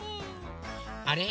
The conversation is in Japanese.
あれ？